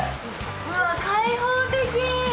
うわっ、開放的！